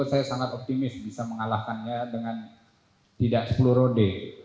saya sangat optimis bisa mengalahkannya dengan tidak sepuluh rode